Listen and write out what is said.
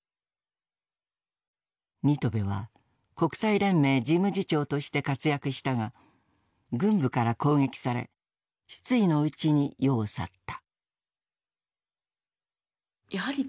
新渡戸は国際連盟事務次長として活躍したが軍部から攻撃され失意のうちに世を去った。